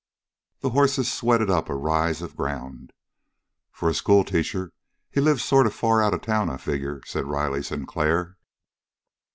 The horses sweated up a rise of ground. "For a schoolteacher he lives sort of far out of town, I figure," said Riley Sinclair.